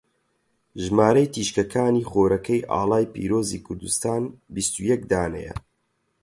ژمارەی تیشکەکانی خۆرەکەی ئاڵای پیرۆزی کوردستان بیستو یەک دانەیە.